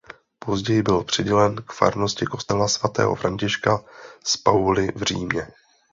Později byl přidělen k farnosti kostela Svatého Františka z Pauly v Římě.